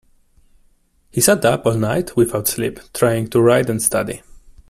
He sat up all night, without sleep, trying to write and study